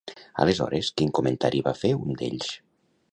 Aleshores, quin comentari va fer un d'ells?